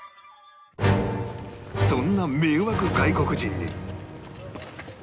そんな迷惑外国人に